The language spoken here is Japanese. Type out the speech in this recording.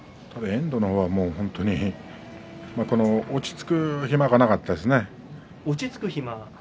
遠藤の方は本当に落ち着く暇がなかったですね。